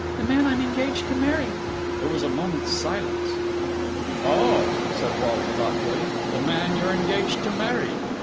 The man I'm engaged to marry." There was a moment's silence. "Oh!" said Wally thoughtfully. "The man you're engaged to marry?